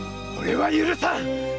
俺は許さん！